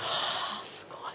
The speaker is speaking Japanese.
すごい。